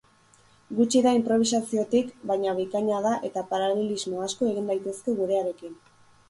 Gutxi du inprobisaziotik, baina bikaina da eta paralelismo asko egin daitezke gurearekin.